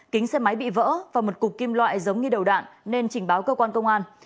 kính xe máy bị vỡ và một cục kim loại giống như đầu đạn nên trình báo cơ quan công an